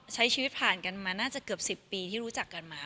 ใช้ชีวิตผ่านกันมาน่าจะเกือบ๑๐ปีที่รู้จักกันมา